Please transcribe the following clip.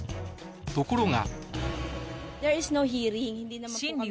ところが。